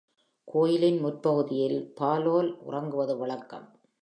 கோயிலின் முற்பகுதியில் பாலோல் உறங்குவது வழக்கம்.